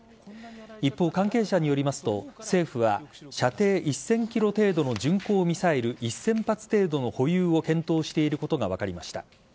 一方、関係者によりますと政府は射程１０００ｋｍ程度の巡航ミサイル１０００発程度の保有を検討していることが分かりました。